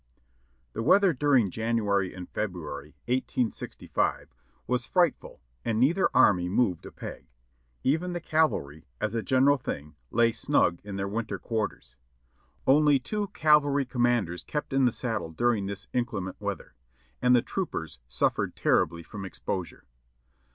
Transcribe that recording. The weather during January and February, 1865 was frightful and neither army moved a peg; even the cavahy, as a general thing, lay snug in their winter quarters. Only two cavalry conmianders kept in the saddle during this inclement weather, and the troopers suffered terribly from ex posure.